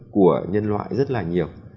của nhân loại rất là nhiều